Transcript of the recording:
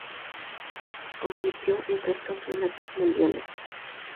Compitió en tres Campeonatos Mundiales.